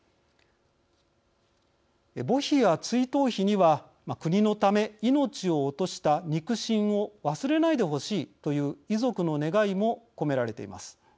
墓碑や追悼碑には国のため命を落とした肉親を忘れないでほしいという遺族の願いも込められています。